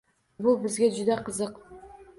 Bu bizga juda qiziq...